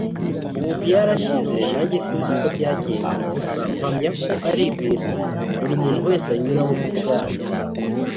“Ubu byarashize nanjye sinzi uko byagenze gusa mpamya ko ari ibintu buri muntu wese anyuramo mu bwana”